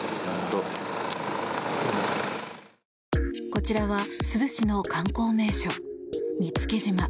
こちらは珠洲市の観光名所見附島。